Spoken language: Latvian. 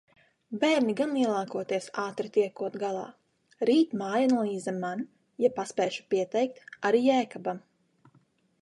Bērni gan lielākoties ātri tiekot galā. Rīt mājanalīze man, ja paspēšu pieteikt, arī Jēkabam.